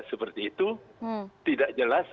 seperti itu tidak jelas